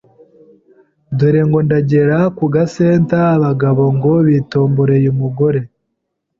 Dore ngo ndagera ku ga centre abagabo ngo bitomboreye umugore,